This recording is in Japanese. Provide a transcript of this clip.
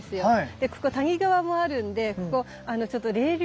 でここ谷川もあるんでここちょっとほう冷涼？